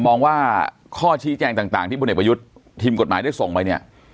มองว่าข้อชี้แจงต่างที่พลเอกประยุทธ์ทีมกฎหมายได้ส่งไปเนี่ย